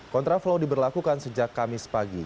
kontraflow diberlakukan sejak kamis pagi